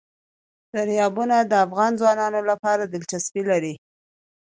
دریابونه د افغان ځوانانو لپاره دلچسپي لري.